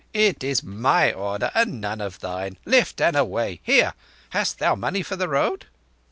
It is my order and none of thine. Lift and away! Here! Hast thou money for the road?"